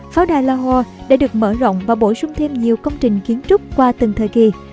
pháo đài lahore đã được mở rộng và bổ sung thêm nhiều công trình kiến trúc qua từng thời kỳ